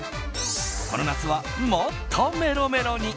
この夏はもっとメロメロに。